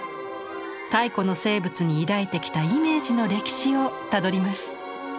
太古の生物に抱いてきたイメージの歴史をたどります。